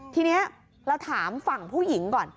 ทีนี้เราถามฝั่งผู้หญิงก่อน